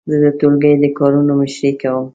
زه د ټولګي د کارونو مشري کوم.